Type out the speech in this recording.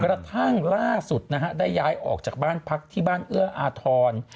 กระทั่งล่าสุดนะฮะได้ย้ายออกจากบ้านพักที่บ้านเอื้ออาทร